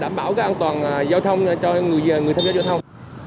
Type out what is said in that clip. đảm bảo cái an toàn giao thông cho người tham gia giao thông